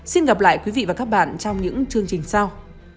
xin hẹn gặp lại quý vị và các bạn trong những chương trình sau